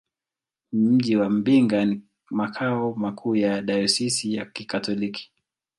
Mji wa Mbinga ni makao makuu ya dayosisi ya Kikatoliki.